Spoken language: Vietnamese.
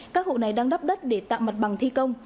các hộ này đang đắp đất để tạo mặt bằng thi công